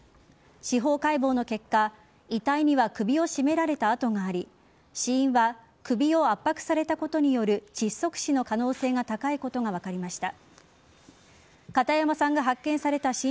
司法解剖の結果遺体には首を絞められた痕があり死因は首を圧迫されたことによる窒息死の可能性が高いことが分かりました。